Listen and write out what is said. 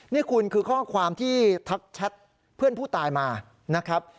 นี่คุณคือข้อความที่ทักแชทเพื่อนผู้ตายมานะครับ